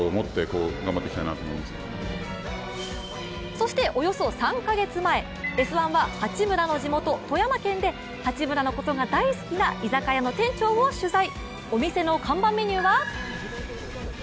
そしておよそ３か月前、「Ｓ☆１」は八村の地元・富山県で八村のことが大好きな居酒屋の店長を取材。